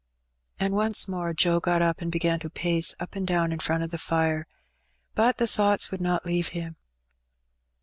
'' And once more Joe got up and began to pace up and down in front of the fire; but the thoughts would not leave him.